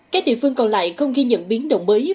các địa phương còn lại không ghi nhận biến động mới